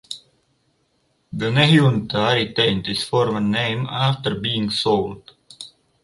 The "Nahunta" retained its former name after being sold.